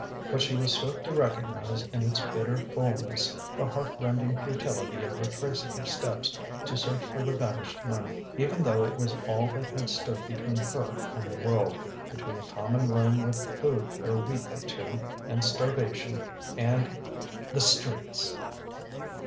But she was swift to recognize in its bitter fulness the heart rending futility of retracing her steps to search for the vanished money even though it was all that had stood between her and the world, between a common room with food for a week or two and starvation and the streets.